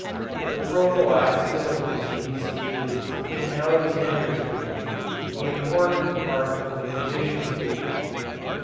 The prophylaxis of disease is in Alexander's opinion the important part of the physician's duty.